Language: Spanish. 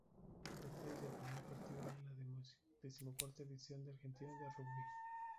Detalles del primer partido en la decimocuarta edición del Argentino de Rugby.